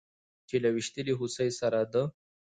چې له ويشتلې هوسۍ سره د